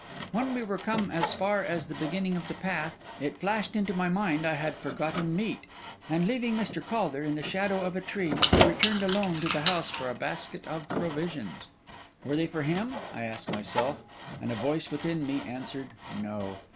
When we were come as far as the beginning of the path, it flashed into my mind I had forgotten meat; and leaving Mr. Caulder in the shadow of a tree, I returned alone to the house for a basket of provisions. Were they for him? I asked myself. And a voice within me answered, No.